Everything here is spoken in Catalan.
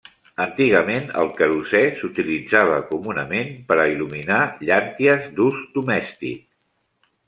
Antigament el querosè s'utilitzava comunament per a il·luminar llànties d'ús domèstic.